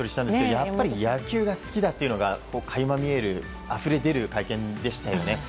やっぱり野球が好きだというのが垣間見えるあふれ出る会見でしたよね。